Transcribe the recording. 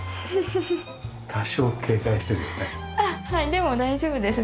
でも大丈夫です。